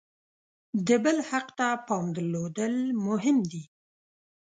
د بل حق ته پام درلودل مهم دي.